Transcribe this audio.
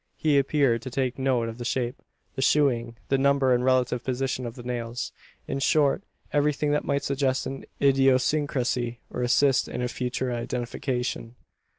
He appeared to take note of the shape, the shoeing, the number and relative position of the nails in short, everything that might suggest an idiosyncrasy, or assist in a future identification.